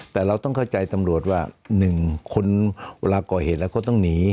แต่เราต้องเข้าใจตำรวจว่า๑คนเวลาก่อเหตุแล้วก็ต้องหนี